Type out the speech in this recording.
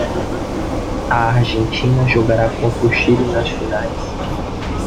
A Argentina jogará contra o Chile nas finais.